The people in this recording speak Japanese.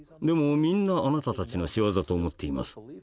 でもみんなあなたたちの仕業と思っています」。